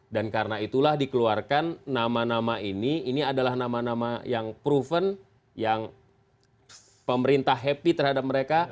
dan karena itulah dikeluarkan nama nama ini ini adalah nama nama yang proven yang pemerintah happy terhadap mereka